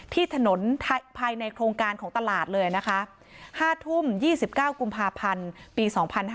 ที่ถนนภายในโครงการของตลาดเลยนะคะ๕ทุ่ม๒๙กุมภาพันธ์ปี๒๕๕๙